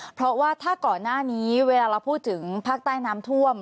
เพราะว่าถ้าก่อนหน้านี้เวลาเราพูดถึงภาคใต้น้ำท่วม